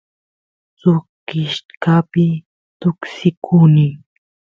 suk kishkapi tuksikuny